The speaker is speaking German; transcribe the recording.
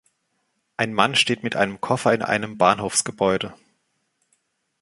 Ein Mann steht mit einem Koffer in einem Bahnhofsgebäude